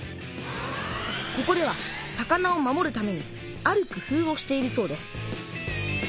ここでは魚を守るためにあるくふうをしているそうです。